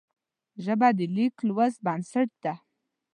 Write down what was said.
ژبه د لیک لوست بنسټ ده